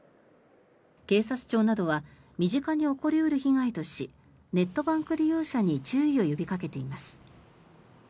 警察庁などは身近に起こり得る被害としネットバンク利用者に注意を呼びかけています。